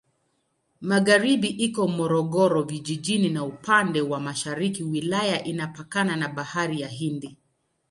Magharibi iko Morogoro Vijijini na upande wa mashariki wilaya inapakana na Bahari ya Hindi.